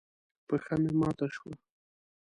پښه مې ماته شوه.